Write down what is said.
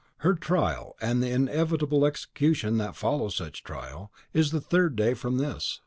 Her trial, and the inevitable execution that follows such trial, is the third day from this.